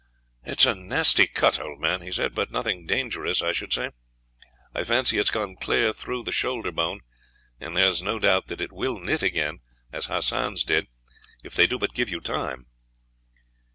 "It's a nasty cut, old man," he said, "but nothing dangerous, I should say. I fancy it has gone clean through the shoulder bone, and there is no doubt that it will knit again, as Hassan's did, if they do but give you time."